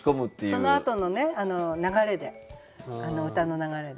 そのあとのね歌の流れで。